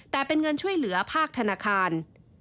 แต่เป็นเงินช่วยเหลือภาคธนาคาร